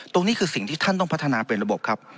นี่คือสิ่งที่ท่านต้องพัฒนาเป็นระบบครับ